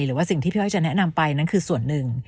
หรือว่าสิ่งที่พี่อ้อยจะแนะนำไปนั่นคือส่วนหนึ่ง